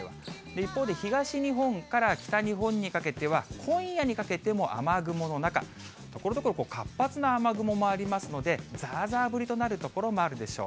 一方で東日本から北日本にかけては、今夜にかけても雨雲の中、ところどころ活発な雨雲もありますので、ざーざー降りとなる所もあるでしょう。